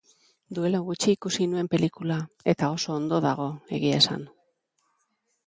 Duela gutxi ikusi nuen pelikula, eta oso ondo dago, egia esan.